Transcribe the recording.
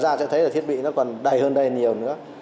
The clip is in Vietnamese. các chị sẽ thấy là thiết bị nó còn đầy hơn đây nhiều nữa